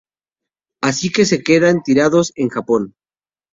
Así que se quedan tirados en Japón.